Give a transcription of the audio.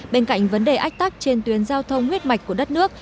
bên cạnh vấn đề ách tắc trên tuyến giao thông huyết mạch của đất nước